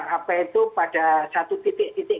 apa itu pada satu titik titik